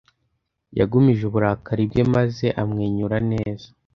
Yagumije uburakari bwe, maze amwenyura neza.